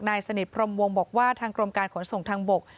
นายสนิทพรมวงบอกว่าทางกรมการขนส่งทางบก